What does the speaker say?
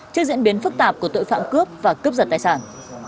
trước diễn biến phức tạp của tội phạm cướp và cướp giật tài sản